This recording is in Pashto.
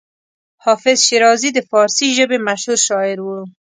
حافظ شیرازي د فارسي ژبې مشهور شاعر و.